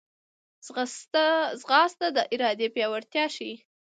ځغاسته د ارادې پیاوړتیا ښيي